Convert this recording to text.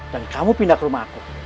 dan kamu pindah ke rumah aku